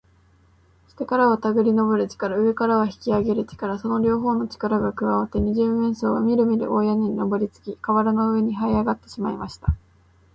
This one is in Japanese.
下からはたぐりのぼる力、上からは引きあげる力、その両ほうの力がくわわって、二十面相はみるみる大屋根にのぼりつき、かわらの上にはいあがってしまいました。